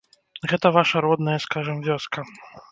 Гэта ваша родная, скажам, вёска.